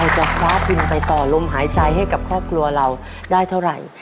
จะคว้าทุนไปต่อลมหายใจให้กับครอบครัวเราได้เท่าไหร่